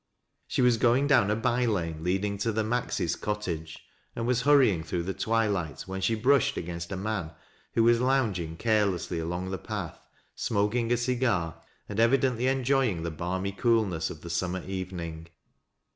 She was going down a by lane leading to the Mbxj'b' cottage, and was hurrying through the twilight, when sin. brushed against a man who was lounging carelessly along the path, smoking a cigar, and evidently enjoying the Laimy coolness of the summer evening.